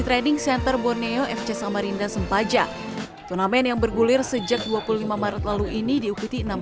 trading center borneo fc samarinda sempaja turnamen yang bergulir sejak dua puluh lima maret lalu ini diikuti enam